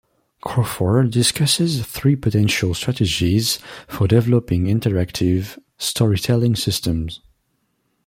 Crawford discusses three potential strategies for developing interactive storytelling systems.